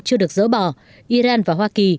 chưa được dỡ bỏ iran và hoa kỳ